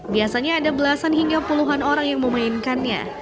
biasanya ada belasan hingga puluhan orang yang memainkannya